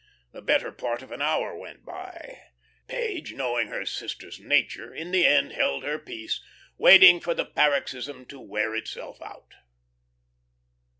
The better part of an hour went by; Page, knowing her sister's nature, in the end held her peace, waiting for the paroxysm to wear itself out.